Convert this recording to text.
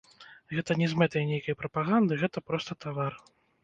Гэта не з мэтай нейкай прапаганды, гэта проста тавар.